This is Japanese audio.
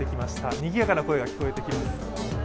にぎやかな声が聞こえてきます。